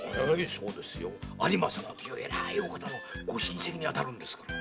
有馬様というえらーいお方のご親戚にあたるんですから。